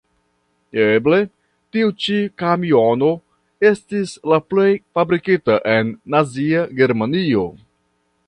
Eble, tiu ĉi kamiono estis la plej fabrikita en Nazia Germanio.